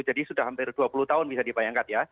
jadi sudah hampir dua puluh tahun bisa dibayangkan